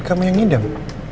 kamu yang ngidam